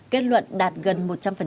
kết luận đạt gần một trăm linh